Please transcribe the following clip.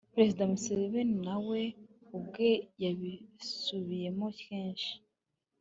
perezida museveni na we ubwe yabisubiyemo kenshi.